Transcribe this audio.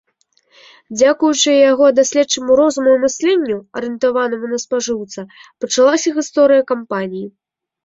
Дзякуючы яго даследчаму розуму і мысленню, арыентаванаму на спажыўца пачалася гісторыя кампаніі.